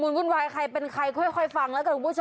ชุระมุนวุ่นวายใครเป็นใครค่อยฟังกับกันครับ